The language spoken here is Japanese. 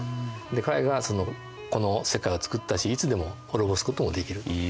彼がこの世界を作ったしいつでも滅ぼすこともできると。